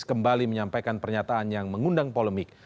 kembali menyampaikan pernyataan yang mengundang polemik